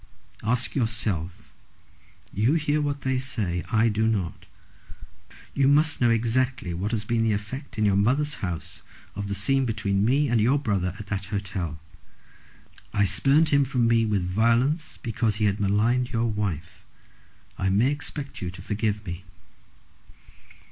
"Ask yourself. You hear what they say. I do not. You must know exactly what has been the effect in your mother's house of the scene between me and your brother at that hotel. I spurned him from me with violence because he had maligned your wife. I may expect you to forgive me."